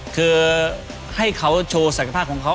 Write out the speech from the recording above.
คือให้เขาโชว์ศักยภาพของเขา